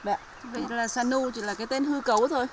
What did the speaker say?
vậy là sà nu chỉ là cái tên hư cấu thôi